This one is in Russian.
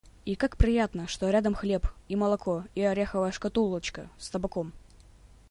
И как приятно, что рядом хлеб, и молоко и ореховая шкатулочка с табаком!